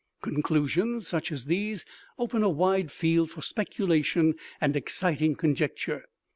Conclusions such as these open a wide field for speculation and exciting conjecture.